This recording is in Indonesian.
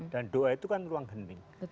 dan doa itu kan ruang hening